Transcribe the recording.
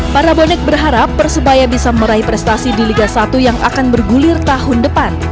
para bonek berharap persebaya bisa meraih prestasi di liga satu yang akan bergulir tahun depan